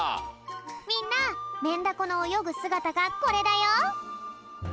みんなメンダコのおよぐすがたがこれだよ。